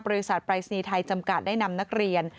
บริษัทปรายศิลยาบัตรไทยจำกัดได้นำนักเรียน